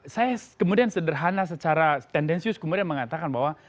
saya kemudian sederhana secara tendensius kemudian mengatakan bahwa